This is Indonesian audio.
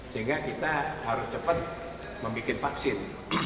sehingga kita harus cepat membuat vaksin